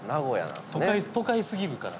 都会すぎるから。